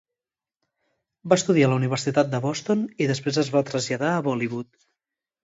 Va estudiar a la Universitat de Boston, i després es va traslladar a Bollywood.